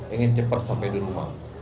ingin cepat sampai di rumah